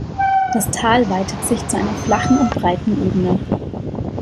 Das Tal weitet sich zu einer flachen und breiten Ebene.